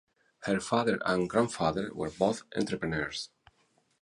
Her father and grandfather were both entrepreneurs.